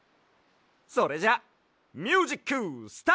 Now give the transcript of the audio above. それじゃあミュージックスタート！